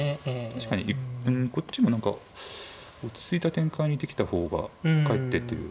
確かにこっちも何か落ち着いた展開にできた方がかえってっていう。